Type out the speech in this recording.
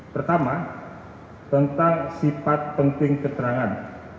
pertama tentang sifat penting keterangan